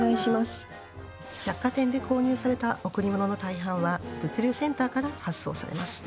百貨店で購入された贈り物の大半は物流センターから発送されます。